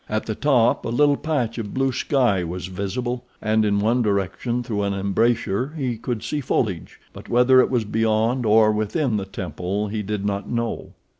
At the top a little patch of blue sky was visible, and, in one direction, through an embrasure, he could see foliage, but whether it was beyond or within the temple he did not know.